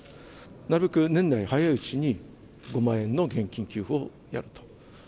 なるべく年内、早いうちに５万円の現金給付をやると。